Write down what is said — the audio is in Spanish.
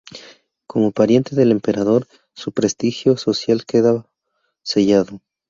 Como pariente del emperador, su prestigio social quedaba sellado.